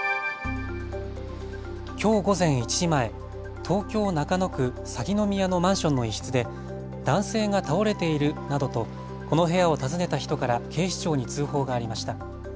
きょう午前１時前、東京中野区鷺宮のマンションの一室で男性が倒れているなどとこの部屋を訪ねた人から警視庁に通報がありました。